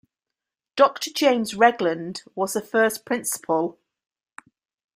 Doctor James Regland was the first principal.